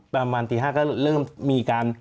ประมาณตี๕ก็เริ่มมีการ